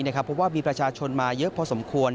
เพราะว่ามีประชาชนมาเยอะพอสมควร